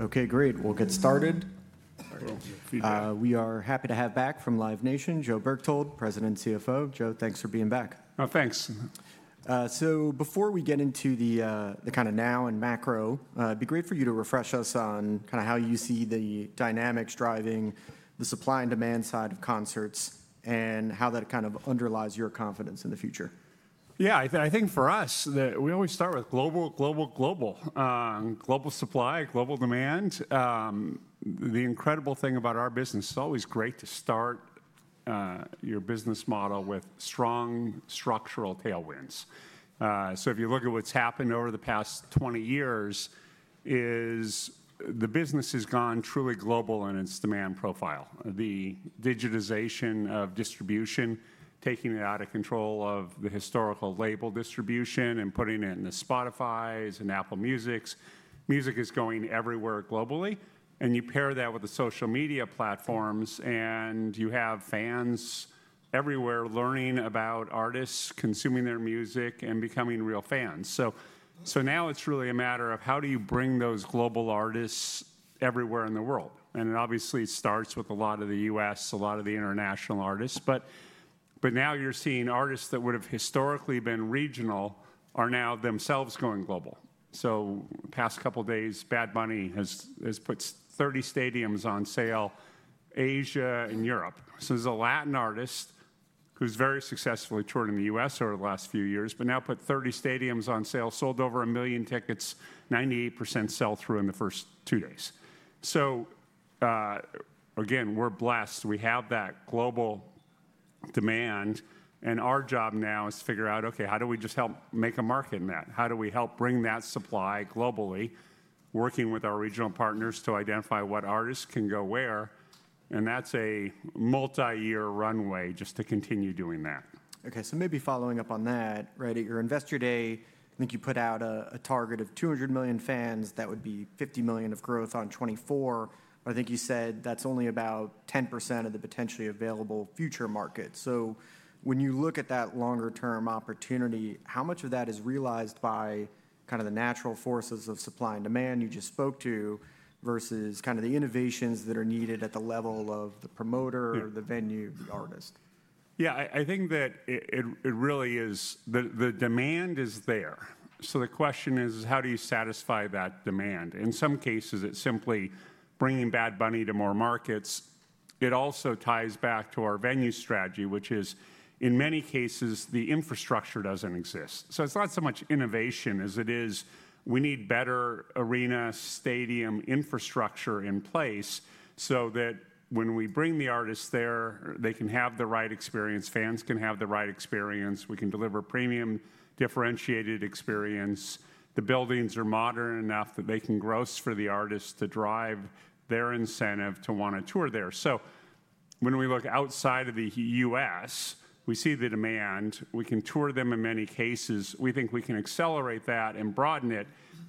Okay, great. We'll get started. We are happy to have back from Live Nation, Joe Berchtold, President and CFO. Joe, thanks for being back. Oh, thanks. Before we get into the kind of now and macro, it'd be great for you to refresh us on kind of how you see the dynamics driving the supply and demand side of concerts and how that kind of underlies your confidence in the future. Yeah, I think for us, we always start with global, global, global. Global supply, global demand. The incredible thing about our business, it's always great to start your business model with strong structural tailwinds. If you look at what's happened over the past 20 years, the business has gone truly global in its demand profile. The digitization of distribution, taking it out of control of the historical label distribution and putting it in the Spotifys and Apple Musics. Music is going everywhere globally. You pair that with the social media platforms and you have fans everywhere learning about artists, consuming their music and becoming real fans. Now it's really a matter of how do you bring those global artists everywhere in the world? It obviously starts with a lot of the U.S., a lot of the international artists. Now you're seeing artists that would have historically been regional are now themselves going global. The past couple of days, Bad Bunny has put 30 stadiums on sale, Asia and Europe. There's a Latin artist who's very successfully toured in the U.S. over the last few years, but now put 30 stadiums on sale, sold over 1 million tickets, 98% sell-through in the first two days. Again, we're blessed. We have that global demand. Our job now is to figure out, okay, how do we just help make a market in that? How do we help bring that supply globally, working with our regional partners to identify what artists can go where? That's a multi-year runway just to continue doing that. Okay, so maybe following up on that, right, at your Investor Day, I think you put out a target of 200 million fans. That would be 50 million of growth on 2024. I think you said that's only about 10% of the potentially available future market. When you look at that longer-term opportunity, how much of that is realized by kind of the natural forces of supply and demand you just spoke to versus kind of the innovations that are needed at the level of the promoter, the venue, the artist? Yeah, I think that it really is the demand is there. The question is, how do you satisfy that demand? In some cases, it's simply bringing Bad Bunny to more markets. It also ties back to our venue strategy, which is in many cases, the infrastructure doesn't exist. It's not so much innovation as it is we need better arena, stadium infrastructure in place so that when we bring the artists there, they can have the right experience, fans can have the right experience, we can deliver premium differentiated experience. The buildings are modern enough that they can gross for the artists to drive their incentive to want to tour there. When we look outside of the U.S., we see the demand. We can tour them in many cases. We think we can accelerate that and broaden it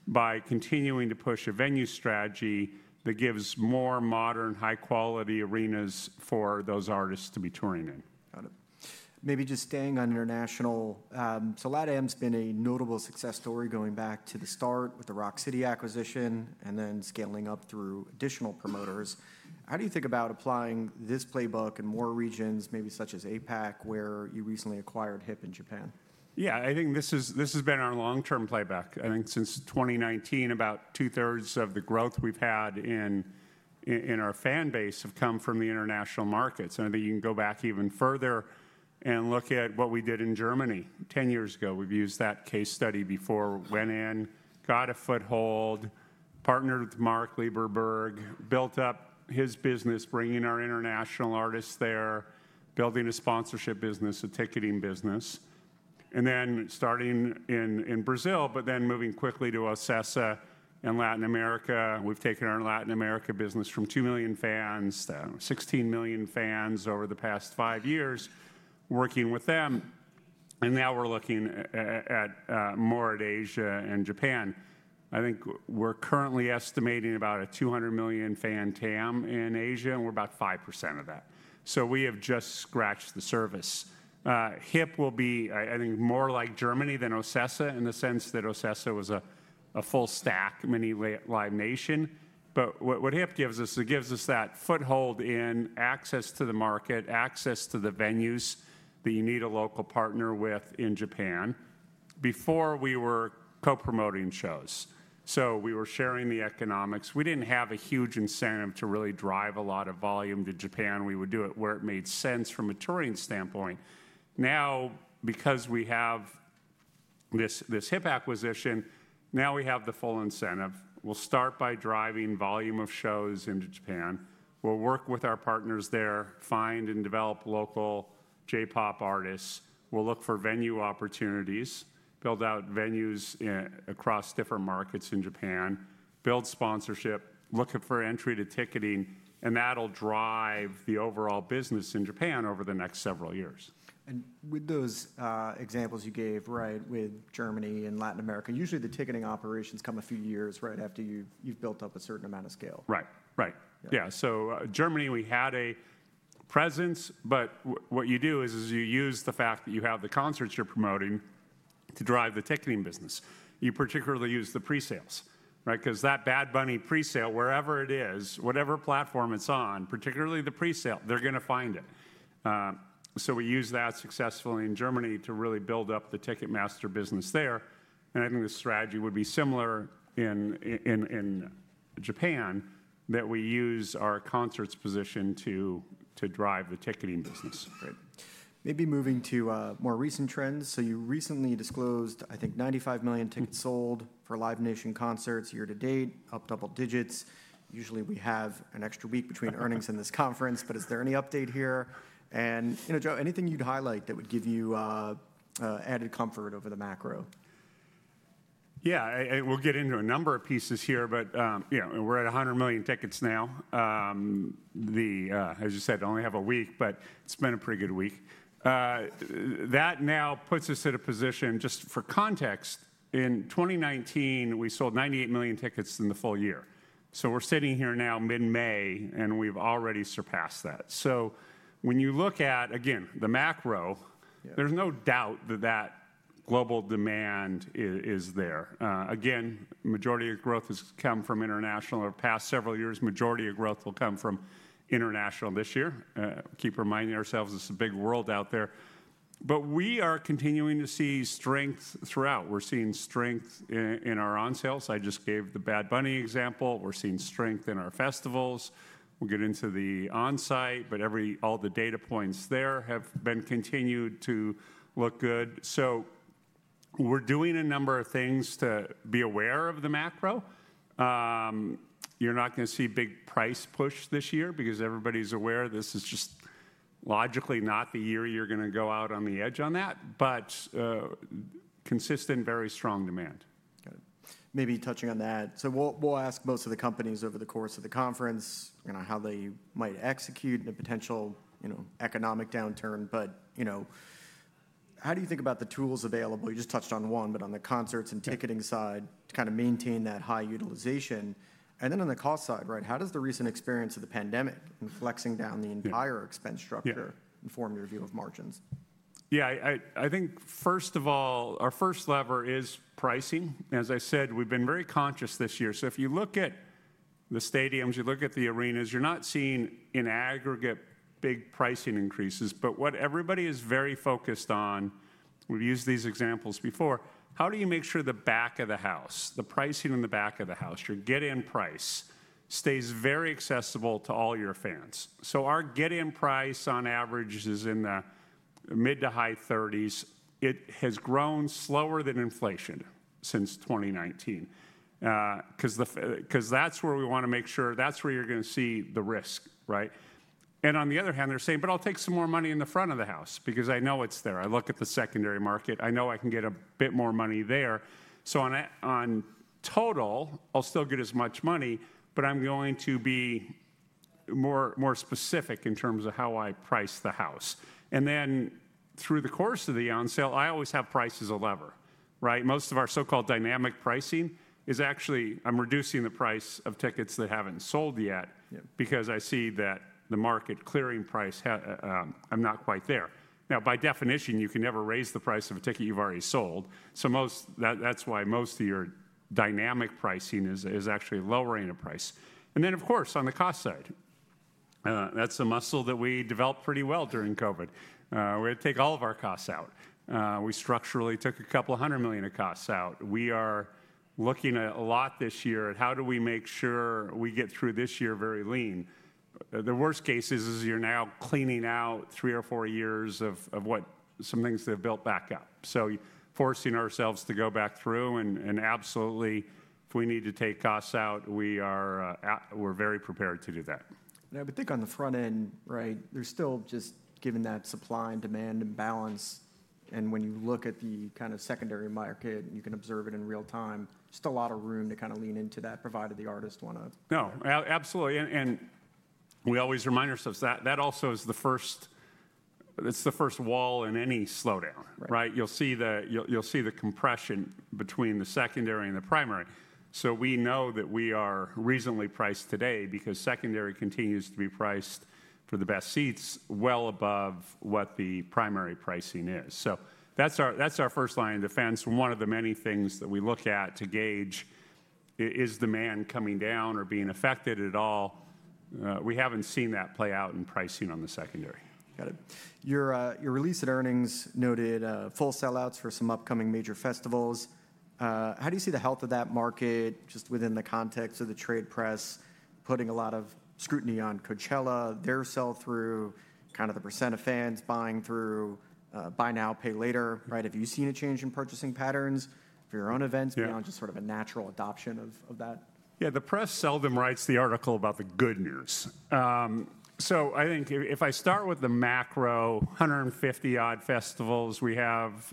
by continuing to push a venue strategy that gives more modern, high-quality arenas for those artists to be touring in. Got it. Maybe just staying on international, LATAM has been a notable success story going back to the start with the Rock City acquisition and then scaling up through additional promoters. How do you think about applying this playbook in more regions, maybe such as APAC, where you recently acquired HIP in Japan? Yeah, I think this has been our long-term playback. I think since 2019, about two-thirds of the growth we've had in our fan base have come from the international markets. I think you can go back even further and look at what we did in Germany 10 years ago. We've used that case study before, went in, got a foothold, partnered with Marek Lieberberg, built up his business, bringing our international artists there, building a sponsorship business, a ticketing business, and then starting in Brazil, but then moving quickly to OCESA in Latin America. We've taken our Latin America business from 2 million fans to 16 million fans over the past five years, working with them. Now we're looking more at Asia and Japan. I think we're currently estimating about a 200 million fan TAM in Asia, and we're about 5% of that. We have just scratched the surface. HIP will be, I think, more like Germany than OCESA in the sense that OCESA was a full stack mini Live Nation. What HIP gives us, it gives us that foothold in access to the market, access to the venues that you need a local partner with in Japan. Before, we were co-promoting shows. We were sharing the economics. We did not have a huge incentive to really drive a lot of volume to Japan. We would do it where it made sense from a touring standpoint. Now, because we have this HIP acquisition, now we have the full incentive. We will start by driving volume of shows into Japan. We will work with our partners there, find and develop local J-pop artists. We'll look for venue opportunities, build out venues across different markets in Japan, build sponsorship, look for entry to ticketing, and that'll drive the overall business in Japan over the next several years. With those examples you gave, right, with Germany and Latin America, usually the ticketing operations come a few years right after you've built up a certain amount of scale. Right, right. Yeah, so Germany, we had a presence, but what you do is you use the fact that you have the concerts you're promoting to drive the ticketing business. You particularly use the presales, right? Because that Bad Bunny presale, wherever it is, whatever platform it's on, particularly the presale, they're going to find it. We use that successfully in Germany to really build up the Ticketmaster business there. I think the strategy would be similar in Japan that we use our concerts position to drive the ticketing business. Maybe moving to more recent trends. You recently disclosed, I think, 95 million tickets sold for Live Nation concerts year-to-date, up double digits. Usually, we have an extra week between earnings and this conference, but is there any update here? You know, Joe, anything you'd highlight that would give you added comfort over the macro? Yeah, we'll get into a number of pieces here, but we're at 100 million tickets now. As you said, only have a week, but it's been a pretty good week. That now puts us at a position, just for context, in 2019, we sold 98 million tickets in the full year. We are sitting here now mid-May, and we've already surpassed that. When you look at, again, the macro, there's no doubt that that global demand is there. Again, the majority of growth has come from international. Over the past several years, the majority of growth will come from international this year. Keep reminding ourselves it's a big world out there. We are continuing to see strength throughout. We're seeing strength in our on-sales. I just gave the Bad Bunny example. We're seeing strength in our festivals. We'll get into the on-sale, but all the data points there have been continued to look good. We are doing a number of things to be aware of the macro. You're not going to see a big price push this year because everybody's aware this is just logically not the year you're going to go out on the edge on that, but consistent, very strong demand. Got it. Maybe touching on that. We'll ask most of the companies over the course of the conference, you know, how they might execute in a potential economic downturn. You know, how do you think about the tools available? You just touched on one, but on the concerts and ticketing side to kind of maintain that high utilization. Then on the cost side, right, how does the recent experience of the pandemic and flexing down the entire expense structure inform your view of margins? Yeah, I think first of all, our first lever is pricing. As I said, we've been very conscious this year. If you look at the stadiums, you look at the arenas, you're not seeing in aggregate big pricing increases. What everybody is very focused on, we've used these examples before, how do you make sure the back of the house, the pricing in the back of the house, your get-in price stays very accessible to all your fans? Our get-in price on average is in the mid to high $30s. It has grown slower than inflation since 2019 because that's where we want to make sure that's where you're going to see the risk, right? On the other hand, they're saying, but I'll take some more money in the front of the house because I know it's there. I look at the secondary market. I know I can get a bit more money there. On total, I'll still get as much money, but I'm going to be more specific in terms of how I price the house. Through the course of the on-sale, I always have price as a lever, right? Most of our so-called dynamic pricing is actually I'm reducing the price of tickets that haven't sold yet because I see that the market clearing price, I'm not quite there. By definition, you can never raise the price of a ticket you've already sold. That is why most of your dynamic pricing is actually lowering the price. On the cost side, that's a muscle that we developed pretty well during COVID. We had to take all of our costs out. We structurally took a couple of hundred million of costs out. We are looking a lot this year at how do we make sure we get through this year very lean. The worst case is you're now cleaning out three or four years of what some things they've built back up. Forcing ourselves to go back through. Absolutely, if we need to take costs out, we're very prepared to do that. Now, I would think on the front end, right, there's still just given that supply and demand imbalance. When you look at the kind of secondary market, you can observe it in real time, just a lot of room to kind of lean into that provided the artist want to. No, absolutely. We always remind ourselves that that also is the first, it's the first wall in any slowdown, right? You'll see the compression between the secondary and the primary. We know that we are reasonably priced today because secondary continues to be priced for the best seats well above what the primary pricing is. That's our first line of defense. One of the many things that we look at to gauge is demand coming down or being affected at all. We haven't seen that play out in pricing on the secondary. Got it. Your release at earnings noted full sellouts for some upcoming major festivals. How do you see the health of that market just within the context of the trade press putting a lot of scrutiny on Coachella, their sell-through, kind of the percent of fans buying through Buy Now Pay Later, right? Have you seen a change in purchasing patterns for your own events beyond just sort of a natural adoption of that? Yeah, the press seldom writes the article about the good news. I think if I start with the macro, 150-odd festivals we have,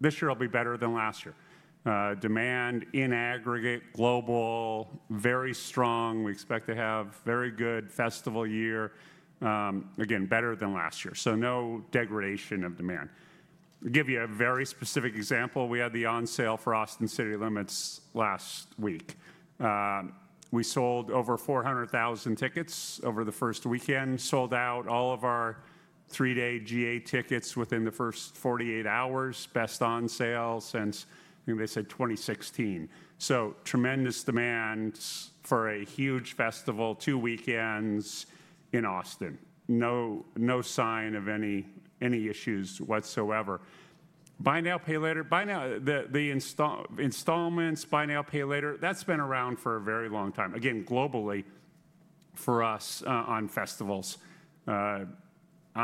this year will be better than last year. Demand in aggregate, global, very strong. We expect to have a very good festival year, again, better than last year. No degradation of demand. I'll give you a very specific example. We had the on-sale for Austin City Limits last week. We sold over 400,000 tickets over the first weekend, sold out all of our three-day GA tickets within the first 48 hours, best on-sale since I think they said 2016. Tremendous demand for a huge festival, two weekends in Austin. No sign of any issues whatsoever. Buy Now, Pay Later. Buy Now the installments, Buy Now, Pay Later. That's been around for a very long time. Again, globally for us on festivals, on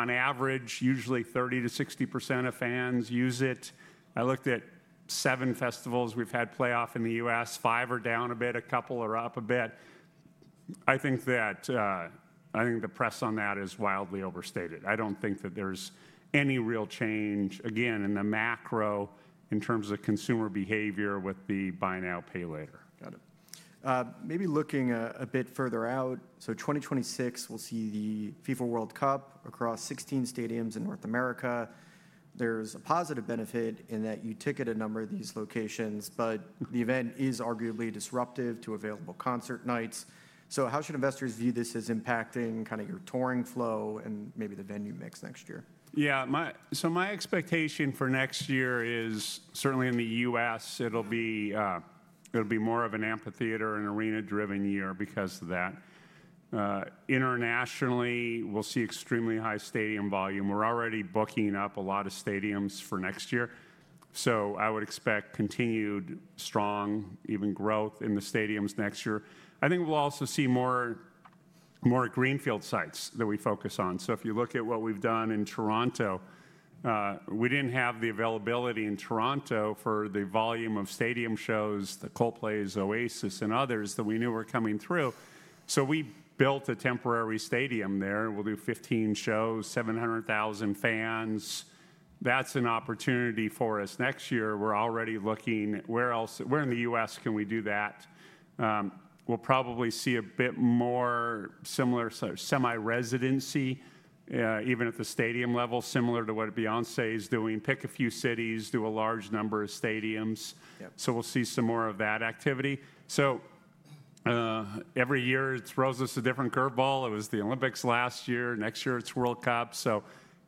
average, usually 30%-60% of fans use it. I looked at seven festivals we've had playoff in the U.S. Five are down a bit, a couple are up a bit. I think that I think the press on that is wildly overstated. I do not think that there's any real change, again, in the macro in terms of consumer behavior with the Buy Now, Pay Later. Got it. Maybe looking a bit further out. In 2026, we will see the FIFA World Cup across 16 stadiums in North America. There is a positive benefit in that you ticket a number of these locations, but the event is arguably disruptive to available concert nights. How should investors view this as impacting kind of your touring flow and maybe the venue mix next year? Yeah, so my expectation for next year is certainly in the U.S., it'll be more of an amphitheater and arena-driven year because of that. Internationally, we'll see extremely high stadium volume. We're already booking up a lot of stadiums for next year. I would expect continued strong, even growth in the stadiums next year. I think we'll also see more greenfield sites that we focus on. If you look at what we've done in Toronto, we didn't have the availability in Toronto for the volume of stadium shows, the Coldplays, Oasis, and others that we knew were coming through. We built a temporary stadium there. We'll do 15 shows, 700,000 fans. That's an opportunity for us next year. We're already looking at where else in the U.S. we can do that. We'll probably see a bit more similar semi-residency, even at the stadium level, similar to what Beyoncé is doing. Pick a few cities, do a large number of stadiums. We'll see some more of that activity. Every year it throws us a different curveball. It was the Olympics last year. Next year it's World Cup.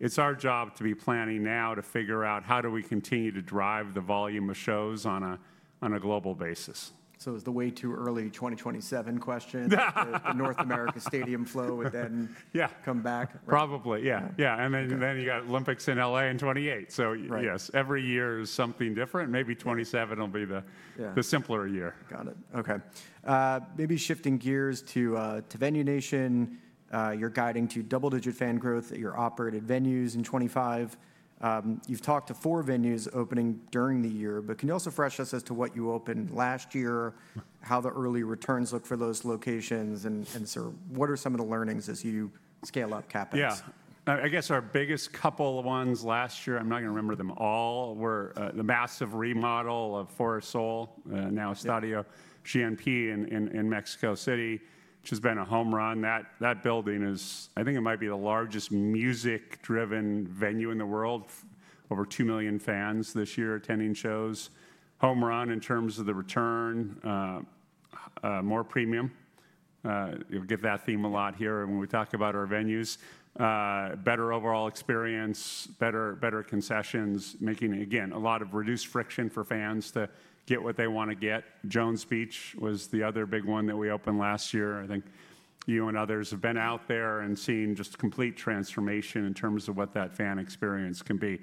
It's our job to be planning now to figure out how do we continue to drive the volume of shows on a global basis. Is the way too early 2027 question? North America stadium flow would then come back. Probably, yeah. Yeah. And then you got Olympics in LA in 2028. So yes, every year is something different. Maybe 2027 will be the simpler year. Got it. Okay. Maybe shifting gears to Venue Nation, you're guiding to double-digit fan growth at your operated venues in 2025. You've talked to four venues opening during the year, but can you also refresh us as to what you opened last year, how the early returns look for those locations, and sort of what are some of the learnings as you scale up CapEx? Yeah. I guess our biggest couple of ones last year, I'm not going to remember them all, were the massive remodel of Foro Sol, now Estadio GNP in Mexico City, which has been a home run. That building is, I think it might be the largest music-driven venue in the world, over 2 million fans this year attending shows. Home run in terms of the return, more premium. You'll get that theme a lot here when we talk about our venues. Better overall experience, better concessions, making, again, a lot of reduced friction for fans to get what they want to get. Jones Beach was the other big one that we opened last year. I think you and others have been out there and seen just complete transformation in terms of what that fan experience can be.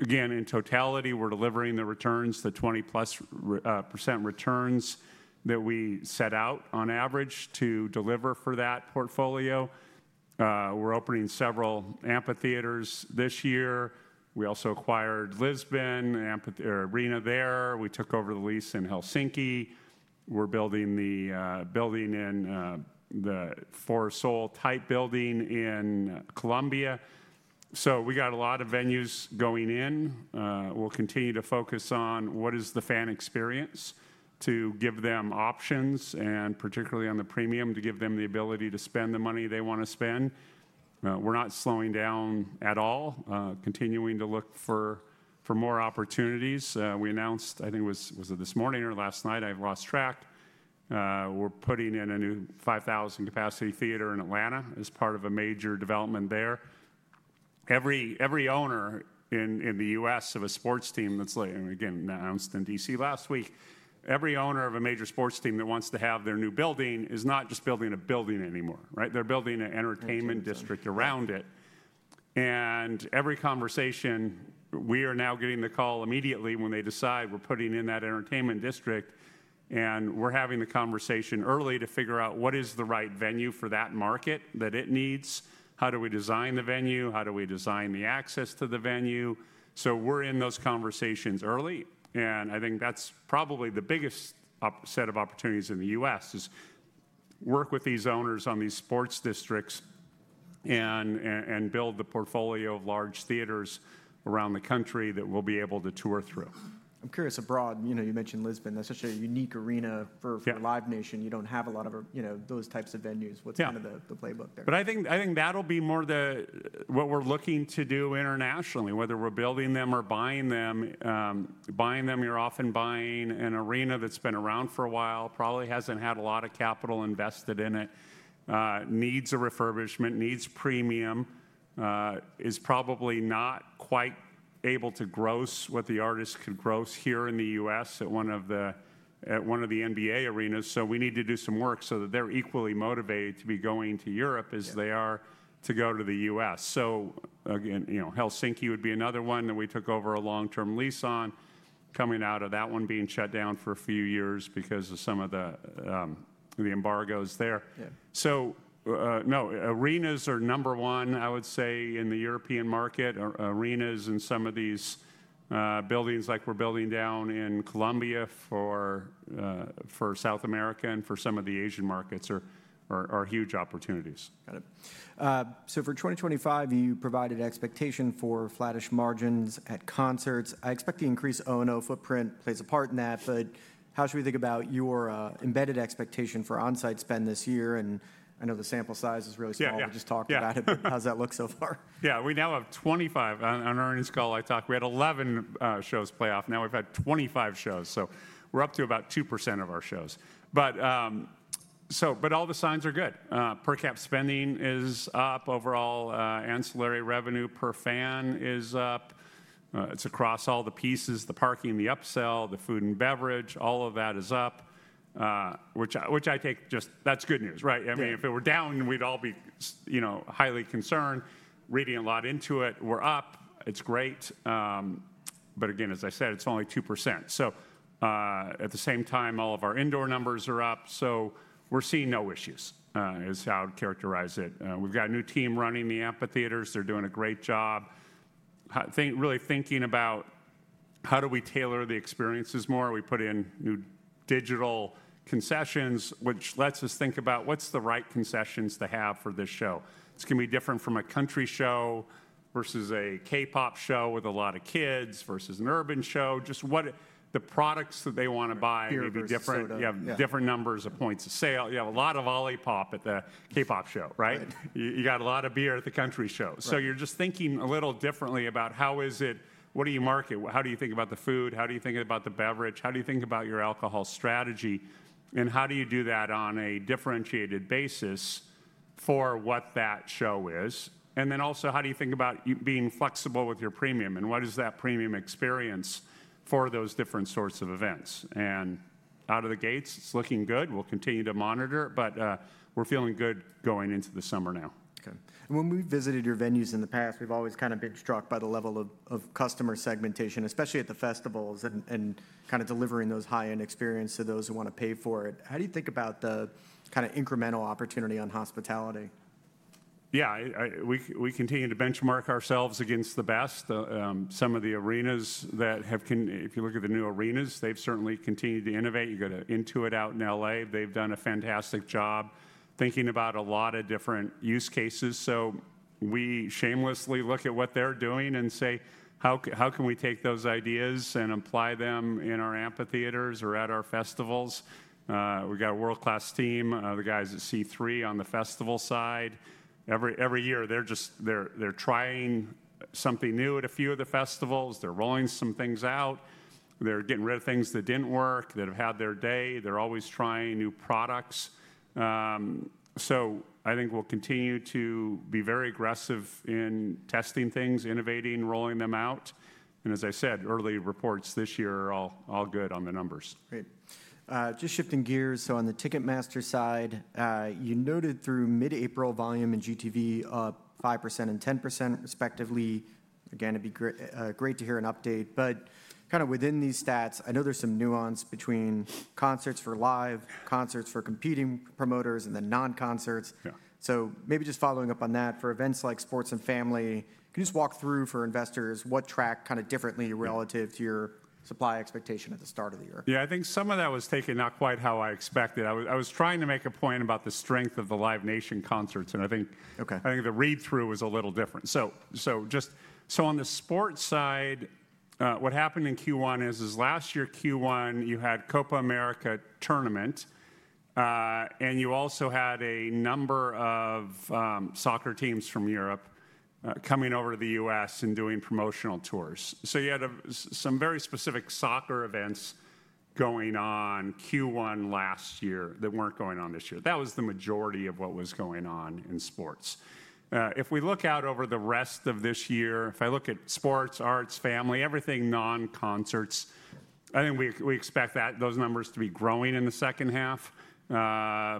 Again, in totality, we're delivering the returns, the 20%+ returns that we set out on average to deliver for that portfolio. We're opening several amphitheaters this year. We also acquired Lisbon, an amphitheater arena there. We took over the lease in Helsinki. We're building the building in the Foro Sol type building in Colombia. We got a lot of venues going in. We'll continue to focus on what is the fan experience to give them options and particularly on the premium to give them the ability to spend the money they want to spend. We're not slowing down at all, continuing to look for more opportunities. We announced, I think it was this morning or last night, I've lost track. We're putting in a new 5,000 capacity theater in Atlanta as part of a major development there. Every owner in the U.S. of a sports team that's, again, announced in D.C. last week, every owner of a major sports team that wants to have their new building is not just building a building anymore, right? They're building an entertainment district around it. Every conversation, we are now getting the call immediately when they decide we're putting in that entertainment district. We're having the conversation early to figure out what is the right venue for that market that it needs. How do we design the venue? How do we design the access to the venue? We're in those conversations early. I think that's probably the biggest set of opportunities in the U.S. is work with these owners on these sports districts and build the portfolio of large theaters around the country that we'll be able to tour through. I'm curious, abroad, you mentioned Lisbon. That's such a unique arena for Live Nation. You don't have a lot of those types of venues. What's kind of the playbook there? I think that'll be more what we're looking to do internationally, whether we're building them or buying them. Buying them, you're often buying an arena that's been around for a while, probably hasn't had a lot of capital invested in it, needs a refurbishment, needs premium, is probably not quite able to gross what the artist could gross here in the U.S. at one of the NBA arenas. We need to do some work so that they're equally motivated to be going to Europe as they are to go to the U.S. Helsinki would be another one that we took over a long-term lease on, coming out of that one being shut down for a few years because of some of the embargoes there. No, arenas are number one, I would say, in the European market. Arenas in some of these buildings like we're building down in Colombia for South America and for some of the Asian markets are huge opportunities. Got it. For 2025, you provided an expectation for flattish margins at concerts. I expect the increased O&O footprint plays a part in that, but how should we think about your embedded expectation for on-site spend this year? I know the sample size is really small. We just talked about it. How's that look so far? Yeah, we now have 25. On earnings call, I talked, we had 11 shows playoff. Now we've had 25 shows. So we're up to about 2% of our shows. All the signs are good. Per cap spending is up overall. Ancillary revenue per fan is up. It's across all the pieces, the parking, the upsell, the food and beverage, all of that is up, which I take just that's good news, right? I mean, if it were down, we'd all be highly concerned, reading a lot into it. We're up. It's great. Again, as I said, it's only 2%. At the same time, all of our indoor numbers are up. We're seeing no issues is how I'd characterize it. We've got a new team running the amphitheaters. They're doing a great job. Really thinking about how do we tailor the experiences more? We put in new digital concessions, which lets us think about what's the right concessions to have for this show. It's going to be different from a country show versus a K-pop show with a lot of kids versus an urban show. Just what the products that they want to buy may be different. You have different numbers of points of sale. You have a lot of Olipop at the K-pop show, right? You got a lot of beer at the country show. You are just thinking a little differently about how is it, what do you market? How do you think about the food? How do you think about the beverage? How do you think about your alcohol strategy? How do you do that on a differentiated basis for what that show is? Also, how do you think about being flexible with your premium? What is that premium experience for those different sorts of events? Out of the gates, it's looking good. We'll continue to monitor it, but we're feeling good going into the summer now. Okay. When we've visited your venues in the past, we've always kind of been struck by the level of customer segmentation, especially at the festivals and kind of delivering those high-end experiences to those who want to pay for it. How do you think about the kind of incremental opportunity on hospitality? Yeah, we continue to benchmark ourselves against the best. Some of the arenas that have, if you look at the new arenas, they've certainly continued to innovate. You got Intuit out in LA. They've done a fantastic job thinking about a lot of different use cases. We shamelessly look at what they're doing and say, how can we take those ideas and apply them in our amphitheaters or at our festivals? We got a world-class team, the guys at C3 on the festival side. Every year, they're trying something new at a few of the festivals. They're rolling some things out. They're getting rid of things that didn't work, that have had their day. They're always trying new products. I think we'll continue to be very aggressive in testing things, innovating, rolling them out. As I said, early reports this year are all good on the numbers. Great. Just shifting gears. On the Ticketmaster side, you noted through mid-April volume in GTV up 5% and 10% respectively. It would be great to hear an update. Within these stats, I know there is some nuance between concerts for Live, concerts for competing promoters, and then non-concerts. Maybe just following up on that, for events like Sports and Family, can you walk through for investors what tracked differently relative to your supply expectation at the start of the year? Yeah, I think some of that was taken not quite how I expected. I was trying to make a point about the strength of the Live Nation Concerts. I think the read-through was a little different. On the sports side, what happened in Q1 is last year Q1, you had Copa America tournament. You also had a number of soccer teams from Europe coming over to the U.S. and doing promotional tours. You had some very specific soccer events going on Q1 last year that were not going on this year. That was the majority of what was going on in sports. If we look out over the rest of this year, if I look at sports, arts, family, everything non-concerts, I think we expect those numbers to be growing in the second half,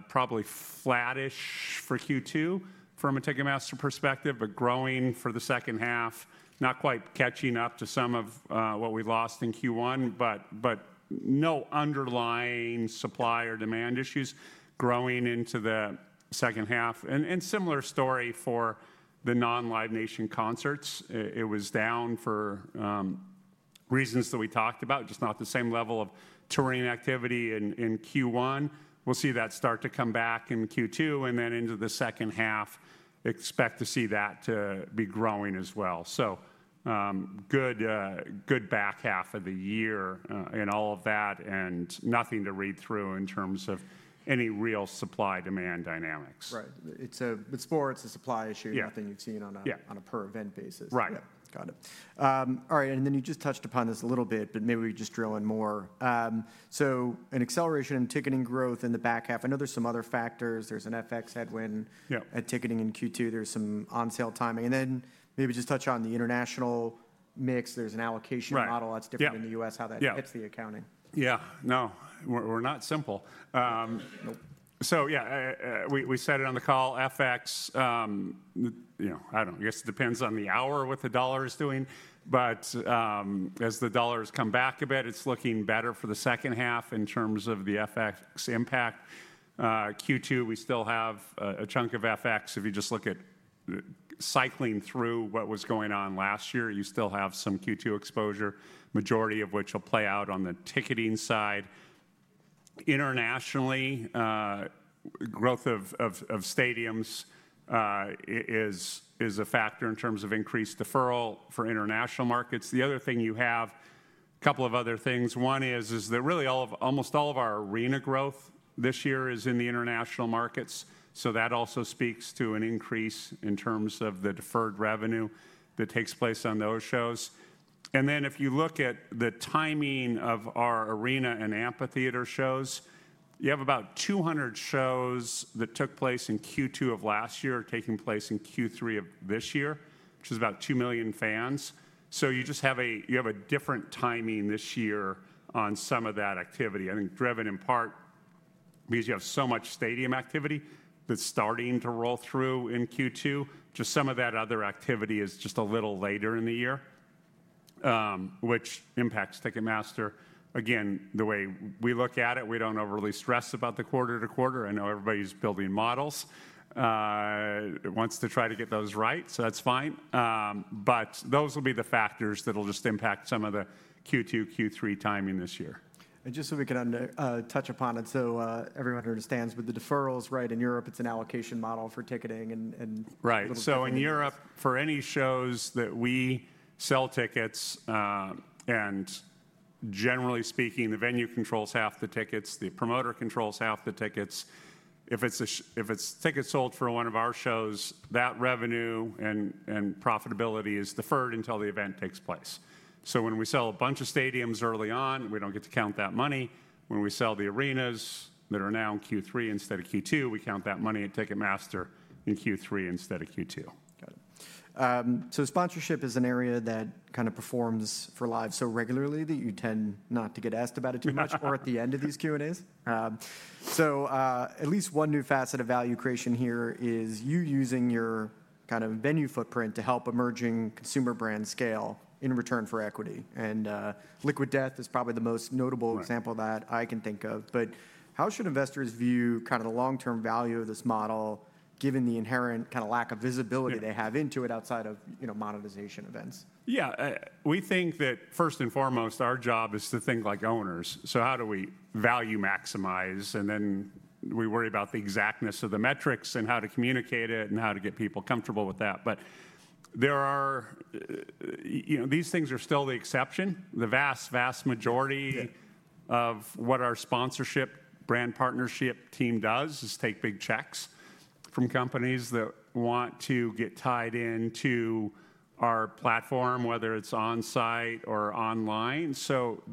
probably flattish for Q2 from a Ticketmaster perspective, but growing for the second half, not quite catching up to some of what we lost in Q1, but no underlying supply or demand issues growing into the second half. A similar story for the non-Live Nation concerts. It was down for reasons that we talked about, just not the same level of touring activity in Q1. We will see that start to come back in Q2 and then into the second half, expect to see that be growing as well. Good back half of the year in all of that and nothing to read through in terms of any real supply-demand dynamics. Right. With sports, the supply issue is nothing you've seen on a per event basis. Right. Got it. All right. You just touched upon this a little bit, but maybe we just drill in more. An acceleration in ticketing growth in the back half. I know there are some other factors. There is an FX headwind at ticketing in Q2. There is some on-sale timing. Maybe just touch on the international mix. There is an allocation model that is different in the U.S., how that hits the accounting. Yeah. No, we're not simple. So yeah, we said it on the call, FX, I don't know, I guess it depends on the hour what the dollar is doing. As the dollar has come back a bit, it's looking better for the second half in terms of the FX impact. Q2, we still have a chunk of FX. If you just look at cycling through what was going on last year, you still have some Q2 exposure, majority of which will play out on the ticketing side. Internationally, growth of stadiums is a factor in terms of increased deferral for international markets. The other thing you have, a couple of other things. One is that really almost all of our arena growth this year is in the international markets. That also speaks to an increase in terms of the deferred revenue that takes place on those shows. If you look at the timing of our arena and amphitheater shows, you have about 200 shows that took place in Q2 of last year taking place in Q3 of this year, which is about 2 million fans. You just have a different timing this year on some of that activity. I think driven in part because you have so much stadium activity that is starting to roll through in Q2. Some of that other activity is just a little later in the year, which impacts Ticketmaster. Again, the way we look at it, we do not overly stress about the quarter to quarter. I know everybody is building models. It wants to try to get those right. That is fine. Those will be the factors that will just impact some of the Q2, Q3 timing this year. Just so we can touch upon it so everyone understands, with the deferrals, right, in Europe, it's an allocation model for ticketing. Right. In Europe, for any shows that we sell tickets, and generally speaking, the venue controls half the tickets, the promoter controls half the tickets. If it is tickets sold for one of our shows, that revenue and profitability is deferred until the event takes place. When we sell a bunch of stadiums early on, we do not get to count that money. When we sell the arenas that are now in Q3 instead of Q2, we count that money at Ticketmaster in Q3 instead of Q2. Got it. Sponsorship is an area that kind of performs for live so regularly that you tend not to get asked about it too much at the end of these Q&As. At least one new facet of value creation here is you using your kind of venue footprint to help emerging consumer brands scale in return for equity. Liquid Death is probably the most notable example of that I can think of. How should investors view the long-term value of this model given the inherent kind of lack of visibility they have into it outside of monetization events? Yeah. We think that first and foremost, our job is to think like owners. So how do we value maximize? And then we worry about the exactness of the metrics and how to communicate it and how to get people comfortable with that. These things are still the exception. The vast, vast majority of what our sponsorship brand partnership team does is take big checks from companies that want to get tied into our platform, whether it's on-site or online.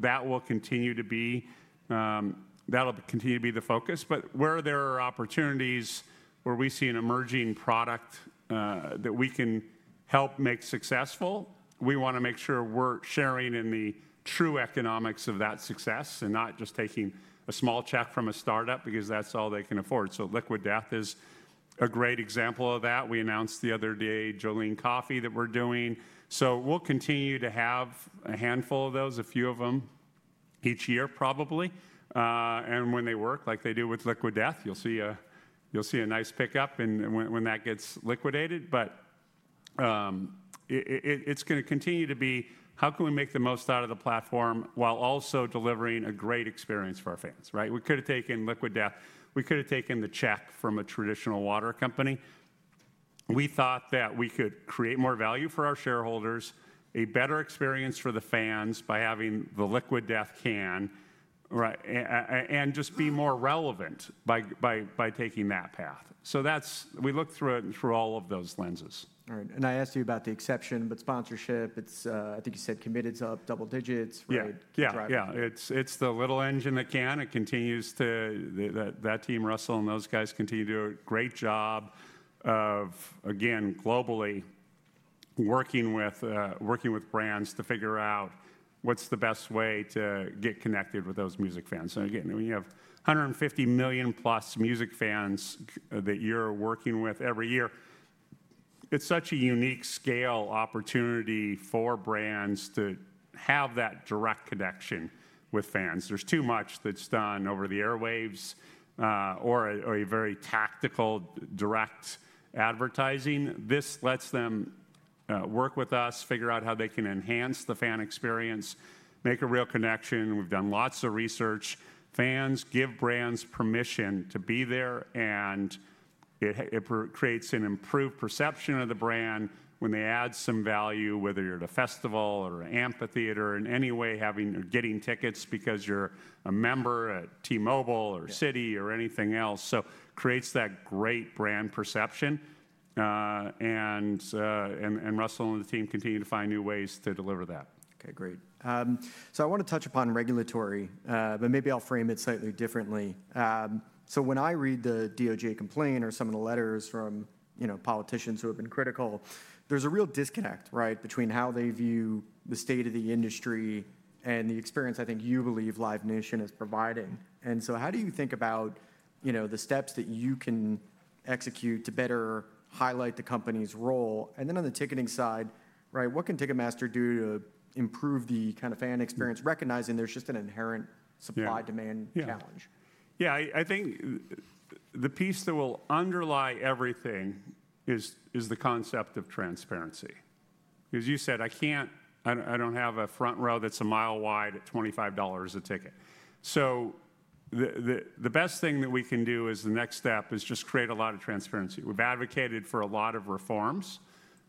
That will continue to be the focus. Where there are opportunities where we see an emerging product that we can help make successful, we want to make sure we're sharing in the true economics of that success and not just taking a small check from a startup because that's all they can afford. Liquid Death is a great example of that. We announced the other day Jolene Coffee that we're doing. We will continue to have a handful of those, a few of them each year probably. When they work like they do with Liquid Death, you will see a nice pickup when that gets liquidated. It is going to continue to be how can we make the most out of the platform while also delivering a great experience for our fans, right? We could have taken Liquid Death. We could have taken the check from a traditional water company. We thought that we could create more value for our shareholders, a better experience for the fans by having the Liquid Death can and just be more relevant by taking that path. We look through it through all of those lenses. All right. I asked you about the exception, but sponsorship, I think you said committed to up double digits, right? Yeah. Yeah. It's the little engine that can. It continues to, that team, Russell and those guys continue to do a great job of, again, globally working with brands to figure out what's the best way to get connected with those music fans. Again, when you have 150+ million music fans that you're working with every year, it's such a unique scale opportunity for brands to have that direct connection with fans. There's too much that's done over the airwaves or a very tactical direct advertising. This lets them work with us, figure out how they can enhance the fan experience, make a real connection. We've done lots of research. Fans give brands permission to be there, and it creates an improved perception of the brand when they add some value, whether you're at a festival or an amphitheater in any way, getting tickets because you're a member at T-Mobile or Citi or anything else. It creates that great brand perception. Russell and the team continue to find new ways to deliver that. Okay, great. I want to touch upon regulatory, but maybe I'll frame it slightly differently. When I read the DOJ complaint or some of the letters from politicians who have been critical, there's a real disconnect, right, between how they view the state of the industry and the experience I think you believe Live Nation is providing. How do you think about the steps that you can execute to better highlight the company's role? On the ticketing side, what can Ticketmaster do to improve the kind of fan experience, recognizing there's just an inherent supply-demand challenge? Yeah. I think the piece that will underlie everything is the concept of transparency. As you said, I don't have a front row that's a mile wide at $25 a ticket. The best thing that we can do as the next step is just create a lot of transparency. We've advocated for a lot of reforms.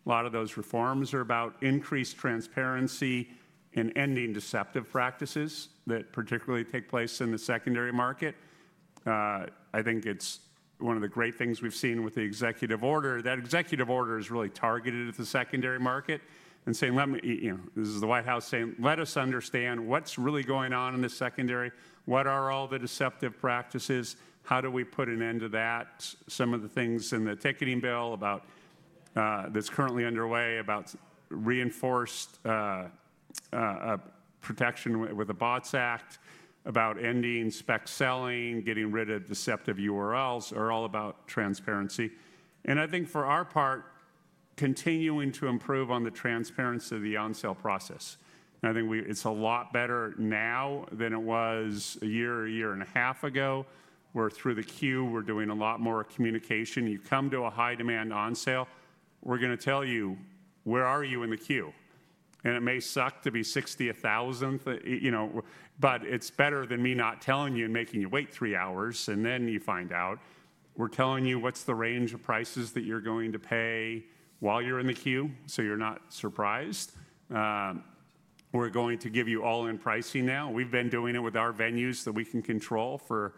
A lot of those reforms are about increased transparency and ending deceptive practices that particularly take place in the secondary market. I think it's one of the great things we've seen with the executive order. That executive order is really targeted at the secondary market and saying, this is the White House saying, let us understand what's really going on in the secondary. What are all the deceptive practices? How do we put an end to that? Some of the things in the ticketing bill that's currently underway about reinforced protection with the BOTS Act, about ending spec selling, getting rid of deceptive URLs are all about transparency. I think for our part, continuing to improve on the transparency of the on-sale process. I think it's a lot better now than it was a year, a year and a half ago where through the queue, we're doing a lot more communication. You come to a high-demand on-sale, we're going to tell you where are you in the queue. It may suck to be 60,000, but it's better than me not telling you and making you wait three hours, and then you find out. We're telling you what's the range of prices that you're going to pay while you're in the queue so you're not surprised. We're going to give you all-in pricing now. We've been doing it with our venues that we can control for,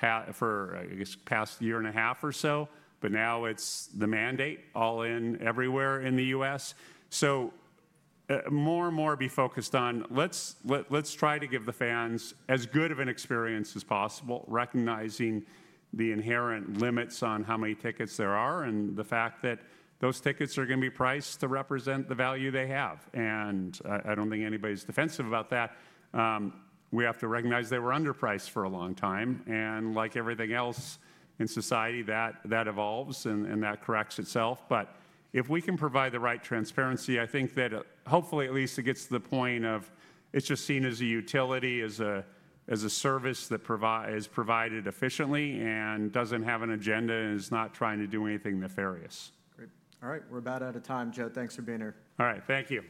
I guess, the past year and a half or so. Now it's the mandate all-in everywhere in the U.S. More and more be focused on let's try to give the fans as good of an experience as possible, recognizing the inherent limits on how many tickets there are and the fact that those tickets are going to be priced to represent the value they have. I don't think anybody's defensive about that. We have to recognize they were underpriced for a long time. Like everything else in society, that evolves and that corrects itself. If we can provide the right transparency, I think that hopefully at least it gets to the point of it's just seen as a utility, as a service that is provided efficiently and doesn't have an agenda and is not trying to do anything nefarious. Great. All right. We're about out of time, Joe. Thanks for being here. All right. Thank you.